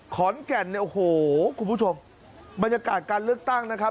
ขอนแก่นเนี่ยโอ้โหคุณผู้ชมบรรยากาศการเลือกตั้งนะครับ